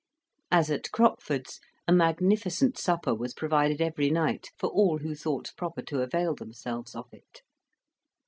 As at Crockford's, a magnificent supper was provided every night for all who thought proper to avail themselves of it.